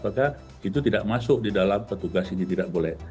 maka itu tidak masuk di dalam petugas ini tidak boleh